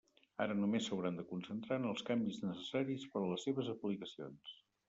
Ara només s'hauran de concentrar en els canvis necessaris per a les seves aplicacions.